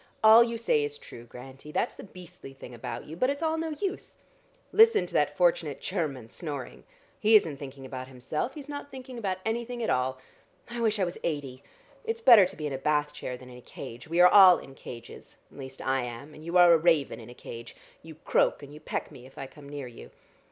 "All you say is true, Grantie; that's the beastly thing about you, but it's all no use. Listen at that fortunate Cherman snoring! He isn't thinking about himself; he's not thinking about anything at all. I wish I was eighty. It's better to be in a bath chair than in a cage. We are all in cages, at least I am, and you are a raven in a cage. You croak, and you peck me if I come near you.